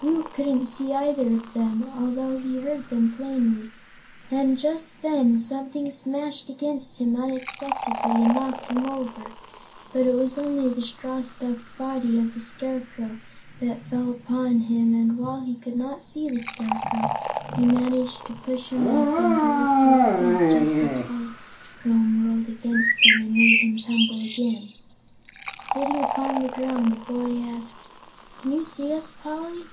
Woot couldn't see either of them, although he heard them plainly, and just then something smashed against him unexpectedly and knocked him over; but it was only the straw stuffed body of the Scarecrow that fell upon him and while he could not see the Scarecrow he managed to push him off and rose to his feet just as Polychrome whirled against him and made him tumble again. Sitting upon the ground, the boy asked: "Can you see us, Poly?"